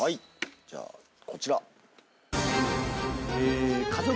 じゃあこちら。